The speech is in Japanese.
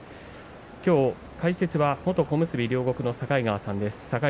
きょう解説は元小結両国の境川さんです。